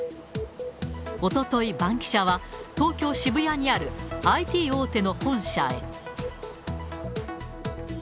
おとといバンキシャは、東京・渋谷にあるＩＴ大手の本社へ。